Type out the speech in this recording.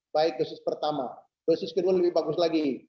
baik dosis pertama dosis kedua lebih bagus lagi